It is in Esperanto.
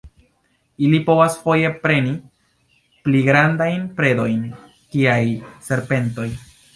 Ili povas foje preni pli grandajn predojn kiaj serpentoj.